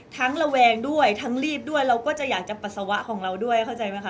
ระแวงด้วยทั้งรีบด้วยเราก็จะอยากจะปัสสาวะของเราด้วยเข้าใจไหมค